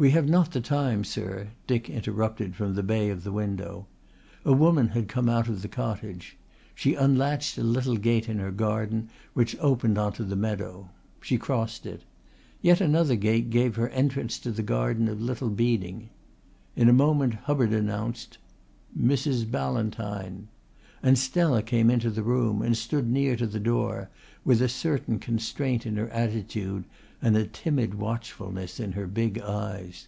"We have not the time, sir," Dick interrupted from the bay of the window. A woman had come out from the cottage. She unlatched a little gate in her garden which opened on to the meadow. She crossed it. Yet another gate gave her entrance to the garden of Little Beeding. In a moment Hubbard announced: "Mrs. Ballantyne"; and Stella came into the room and stood near to the door with a certain constraint in her attitude and a timid watchfulness in her big eyes.